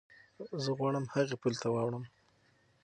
زه غواړم هغې پولې ته واوړم.